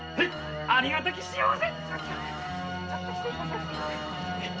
ありがたき幸せ。